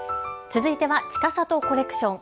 続いては、ちかさとコレクション。